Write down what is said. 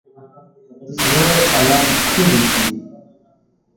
زړه قلم ښه لیکي.